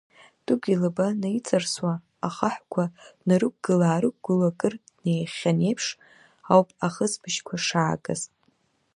Дыгә илаба наиҵарсуа, ахаҳәқәа днарықәгыла-аарықәгыло акыр днеихьан еиԥш ауп ахысбыжьқәа шаагаз.